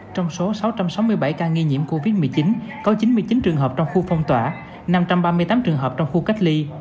trong số sáu trăm sáu mươi bảy ca nghi nhiễm covid một mươi chín có chín mươi chín trường hợp trong khu phong tỏa năm trăm ba mươi tám trường hợp trong khu cách ly